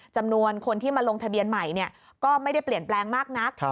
จำนวนคนที่มาลงทะเบียนใหม่ก็ไม่ได้เปลี่ยนแปลงมากนัก